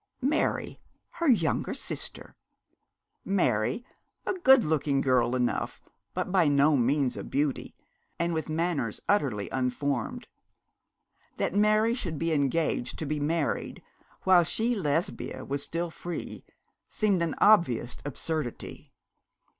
Mary, her younger sister! Mary, a good looking girl enough, but by no means a beauty, and with manners utterly unformed. That Mary should be engaged to be married, while she, Lesbia, was still free, seemed an obvious absurdity.